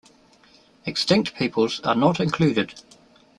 Extinct peoples are not included.